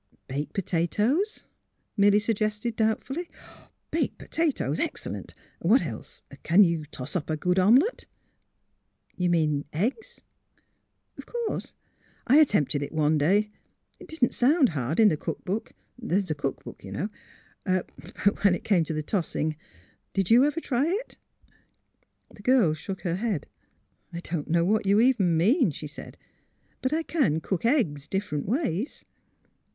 "^' Baked potatoes," Milly suggested, doubt fully. " Baked potatoes — excellent! What else? Can you toss up a good omelet? "^' You mean — eggs ?'''^ Of course. I attempted it one daj; it didn't sound hard in the cook book — there's a cook book, you know — but when it came to the tossing Did you ever try it? " The girl shook her head. '' I don't know what you mean, even," she said. *' But I can cook eggs different ways."